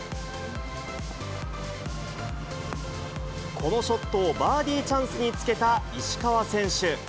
このショットをバーディーチャンスにつけた石川選手。